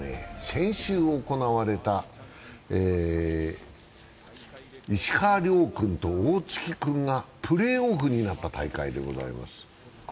先週行われた、石川遼君と大月君がプレーオフになった大会でございます。